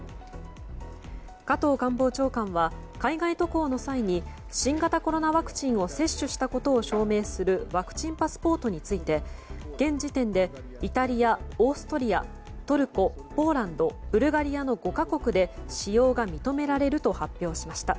加藤官房長官は海外渡航の際に新型コロナワクチンを接種したことを証明するワクチンパスポートについて現時点でイタリア、オーストリアトルコ、ポーランドブルガリアの５か国で使用が認められると発表しました。